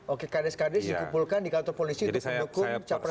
oke kdes kdes dikumpulkan di kantor polisi untuk mendukung capres satu